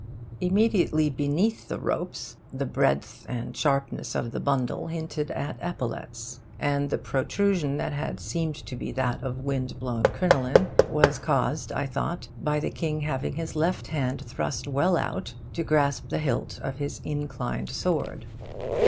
Immediately beneath the ropes, the breadth and sharpness of the bundle hinted at epaulettes. And the protrusion that had seemed to be that of a wind blown crinoline was caused, I thought, by the king having his left hand thrust well out to grasp the hilt of his inclined sword.